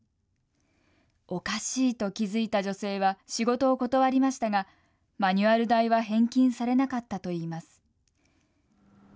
おかしいと気付いた女性は仕事を断りましたがマニュアル代は返金されなかったといいます。